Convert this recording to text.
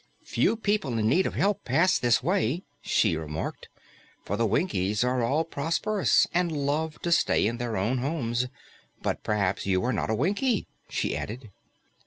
"Few people in need of help pass this way," she remarked, "for the Winkies are all prosperous and love to stay in their own homes. But perhaps you are not a Winkie," she added.